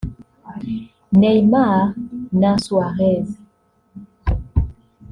Neymar na Suarez